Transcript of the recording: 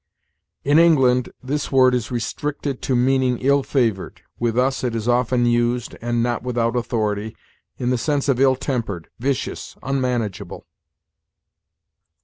In England, this word is restricted to meaning ill favored; with us it is often used and not without authority in the sense of ill tempered, vicious, unmanageable.